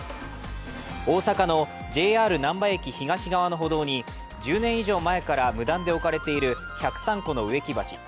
大阪のＪＲ難波駅東側の歩道に１０年以上前から無断で置かれている１０３個の植木鉢。